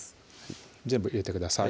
全部入れてください